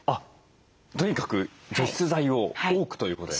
とにかく除湿剤を多くということですね？